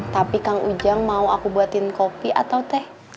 tapi kang ujang mau aku buatin kopi atau teh